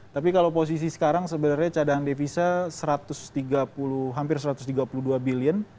tapi kalau posisi sekarang sebenarnya cadangan devisa satu ratus tiga puluh dua billion